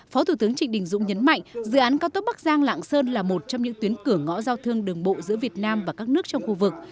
phó thủ tướng trịnh đình dũng nhấn mạnh dự án cao tốc bắc giang lạng sơn là một trong những tuyến cửa ngõ giao thương đường bộ giữa việt nam và các nước trong khu vực